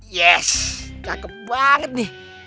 yes cakep banget nih